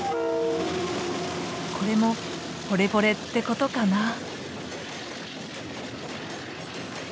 これもポレポレってことかな？